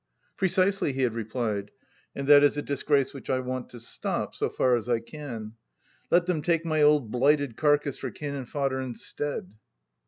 " Precisely," he had replied ;" and that is a disgrace which I want to stop — ^so far as I can. Let them take my old blighted carcase for cannon fodder instead."